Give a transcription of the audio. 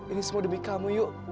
ini semua demi kamu yuk